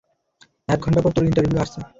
এক ঘন্টা পর তোর ইন্টারভিউ আছে।